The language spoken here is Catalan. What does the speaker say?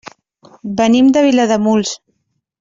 Venim de Vilademuls.